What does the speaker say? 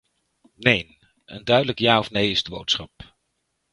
Neen, een duidelijk ja of nee is de boodschap.